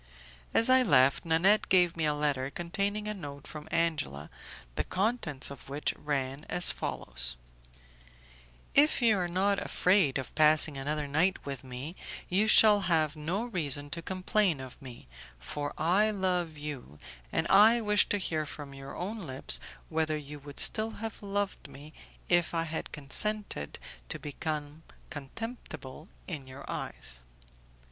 As I left, Nanette gave me a letter containing a note from Angela, the contents of which ran as follows: "If you are not afraid of passing another night with me you shall have no reason to complain of me, for I love you, and I wish to hear from your own lips whether you would still have loved me if I had consented to become contemptible in your eyes."